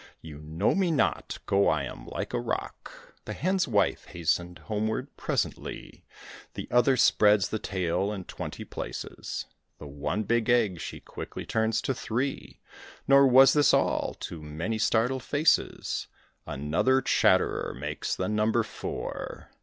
You know me not. Go, I am like a rock!" The hen's wife hastened homeward presently; The other spreads the tale in twenty places. The one big egg she quickly turns to three; Nor was this all: to many startled faces Another chatterer makes the number four.